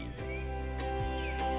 mereka juga dikelompokkan dengan kawanannya